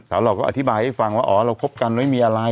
สาวหล่อก็อธิบายให้ฟังว่าอ๋อเราคบกันแล้วไม่มีอะไร